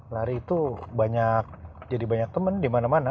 lari itu banyak jadi banyak teman di mana mana